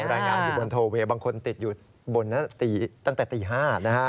รายงานอยู่บนโทเวย์บางคนติดอยู่บนตั้งแต่ตี๕นะฮะ